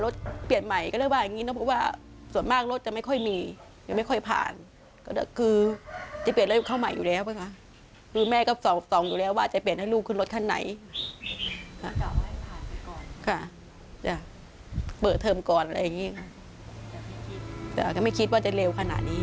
ทำะเรียนวิทยาลัยเทคนิคสะแก้วเสียหลักพลิกความสุข